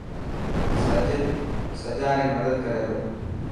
ساجد سڄان ري مدد ڪري ٿو.